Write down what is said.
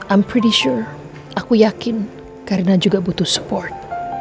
aku yakin karina juga butuh support